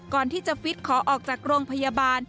ก่อนที่จะฟิตขอออกจากโรงพยาบาล